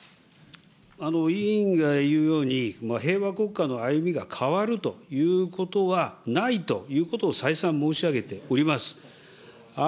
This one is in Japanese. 委員が言うように、平和国会の歩みが変わるということはないということを再三申し上げております。